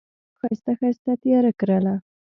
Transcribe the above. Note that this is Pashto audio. د رنجو ښایسته، ښایسته تیاره کرله